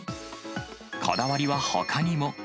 こだわりはほかにも。